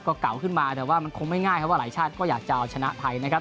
ก็เก่าขึ้นมาแต่ว่ามันคงไม่ง่ายครับว่าหลายชาติก็อยากจะเอาชนะไทยนะครับ